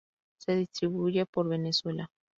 Se distribuye por Venezuela.